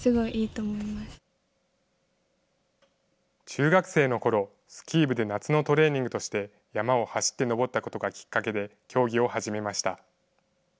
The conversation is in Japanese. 中学生のころ、スキー部で夏のトレーニングとして山を走って登ったことがきっかけで、競技を始めました。